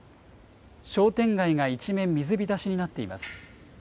商店街が一面水浸しになっています。